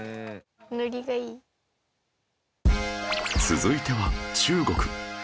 続いては中国